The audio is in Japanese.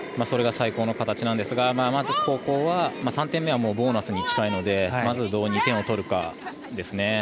それが最高の形なんですがまず、ここは３点目はボーナスに近いのでまず、どう２点を取るかですね。